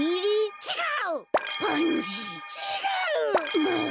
ちがう！